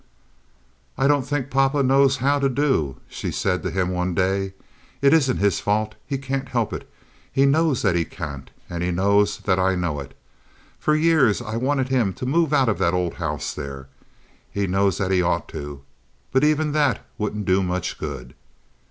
"I don't think papa knows how to do," she said to him, one day. "It isn't his fault. He can't help it. He knows that he can't. And he knows that I know it. For years I wanted him to move out of that old house there. He knows that he ought to. But even that wouldn't do much good."